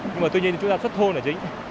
nhưng mà tuy nhiên chúng ta xuất thô là chính